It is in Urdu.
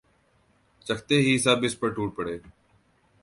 چکھتے ہی سب اس پر ٹوٹ پڑے